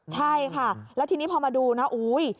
ใช่ค่ะแล้วทีนี้พอมาดูนะอุ๊ย